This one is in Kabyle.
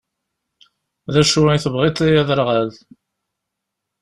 D acu i tebɣiḍ, ay aderɣal?